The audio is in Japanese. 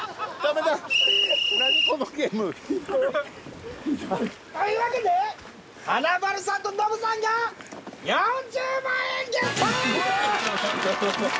ピーッ！というわけで華丸さんとノブさんが４０万円ゲット！